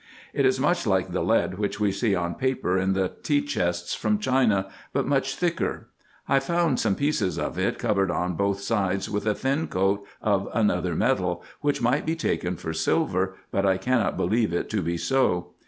It is much like the lead which we see on paper in the tea chests from China, but much thicker. I found some pieces of it covered on both sides with a thin coat of another metal, which might be taken for silver, but I cannot believe it to be so.